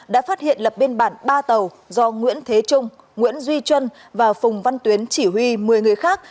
đã phát hiện lập biên bản ba tàu do nguyễn thế trung nguyễn duy và phùng văn tuyến chỉ huy một mươi người khác